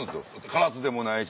カラスでもないし。